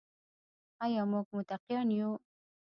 آیا موږ متقیان یو؟